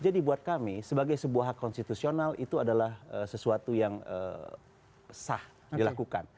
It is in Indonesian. jadi menurut kami sebagai sebuah hak konstitusional itu adalah sesuatu yang sah dilakukan